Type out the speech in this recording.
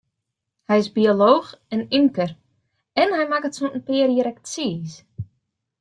Hy is biolooch en ymker, en hy makket sûnt in pear jier ek tsiis.